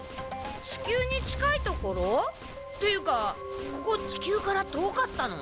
地球に近いところ？というかここ地球から遠かったの？